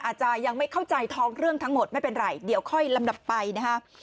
อาจจะยังไม่เข้าใจท้องเรื่องทั้งหมดไม่เป็นไรเดี๋ยวค่อยลำดับไปนะฮะ